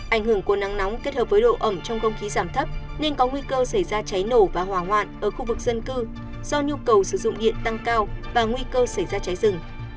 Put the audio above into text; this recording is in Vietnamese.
ảnh hưởng của nắng nóng kết hợp với độ ẩm trong không khí giảm thấp nên có nguy cơ xảy ra cháy nổ và hỏa hoạn ở khu vực dân cư do nhu cầu sử dụng điện tăng cao và nguy cơ xảy ra cháy rừng